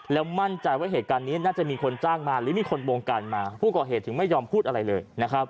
แล้วมั่นใจว่าเหตุการณ์นี้น่าจะมีคนจ้างมาหรือมีคนวงการมาผู้ก่อเหตุถึงไม่ยอมพูดอะไรเลยนะครับ